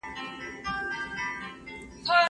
تل ځانونه په ګټورو کارونو او فعالیتونو باندي بوخت وساتئ.